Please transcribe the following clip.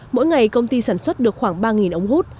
mỗi ngày công ty sản xuất được khoảng ba ống hút